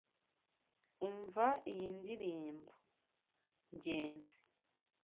Umva iyi ndirimbo, Ngenzi.